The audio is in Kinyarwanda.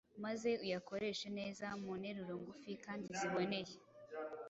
maze uyakoreshe neza mu nteruro ngufi kandi ziboneye.